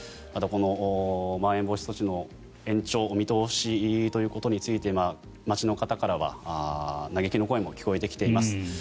ただ、このまん延防止措置の延長見通しということについては街の方からは嘆きの声も聞こえてきています。